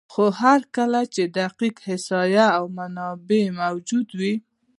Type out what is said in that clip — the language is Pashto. خو هر کله چې دقیق احصایه او منابع موجود وي،